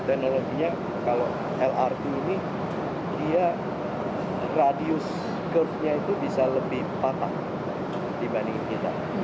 teknologinya kalau lrt ini radius kerbunya itu bisa lebih patah dibanding kita